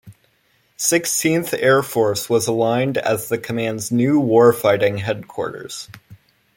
Sixteenth Air Force was aligned as the command's new Warfighting Headquarters.